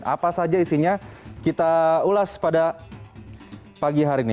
apa saja isinya kita ulas pada pagi hari ini